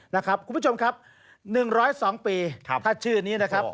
นะครับคุณผู้ชมครับ๑๐๒ปีถ้าชื่อนี้นะครับ